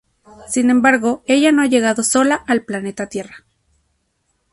Sin embargo, ella no ha llegado sola al planeta tierra.